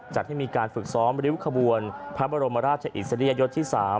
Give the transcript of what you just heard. จัดให้มีการฝึกซ้อมริ้วขบวนพระบรมราชอิสริยยศที่๓